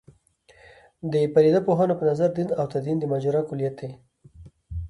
د پدیده پوهانو په نظر دین او تدین د ماجرا کُلیت دی.